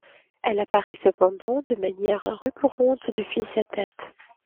Elle apparaît cependant de manière récurrente depuis cette date.